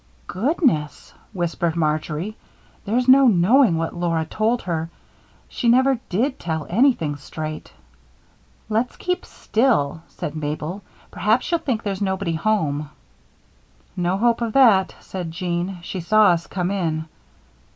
"Goodness!" whispered Marjory, "there's no knowing what Laura told her she never did tell anything straight." "Let's keep still," said Mabel. "Perhaps she'll think there's nobody home." "No hope of that," said Jean. "She saw us come in.